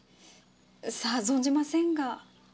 さあ存じませんが。